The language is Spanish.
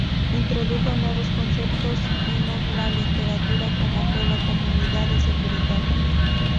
Introdujo nuevos conceptos ena la literatura, como fue la Comunidad de Seguridad.